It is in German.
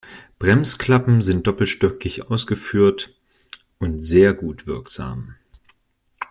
Die Bremsklappen sind doppelstöckig ausgeführt und sehr gut wirksam.